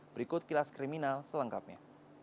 berikut kilas kriminal selengkapnya